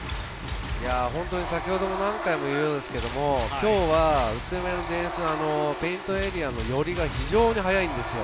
先程から何回も言うように、今日は宇都宮のディフェンスがペイントエリアの寄りが非常に速いんですよ。